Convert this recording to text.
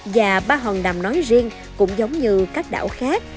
và ba hòn nằm nói riêng cũng giống như các đảo khác